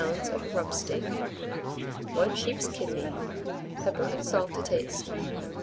of rump steak, 1 sheep's kidney, pepper and salt to taste.